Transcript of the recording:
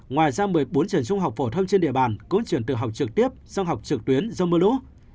ngoài ra một mươi bốn trường trung học phổ thông trên địa bàn cũng chuyển tự học trực tiếp sang học trực tuyến do mưa lũ